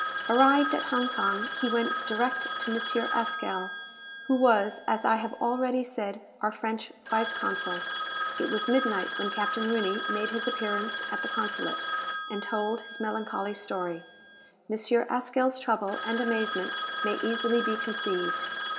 Arrived at Hong Kong, he went direct to M. Haskell, who was, as I have already said, our French vice consul. It was midnight when Captain Rooney made his appearance at the consulate, and told his melancholy story. M. Haskell's trouble and amazement may easily be conceived.